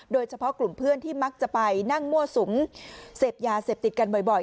โดยเฉพาะกลุ่มเพื่อนที่มักจะไปนั่งมั่วสุมเสพยาเสพติดกันบ่อย